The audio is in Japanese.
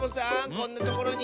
こんなところに！